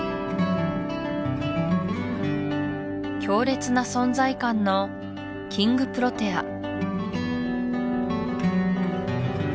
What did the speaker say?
強烈な存在感のキングプロテア